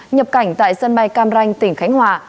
nhập cảnh tại sân bay cam ranh tỉnh khánh hòa